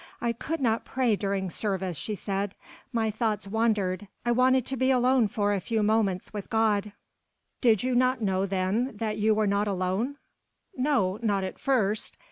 "I could not pray during service," she said. "My thoughts wandered. I wanted to be alone for a few moments with God." "Did you not know then that you were not alone?" "No. Not at first."